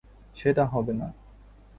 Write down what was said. সেটা হবে না।